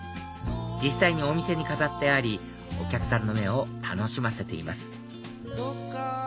実際にお店に飾ってありお客さんの目を楽しませています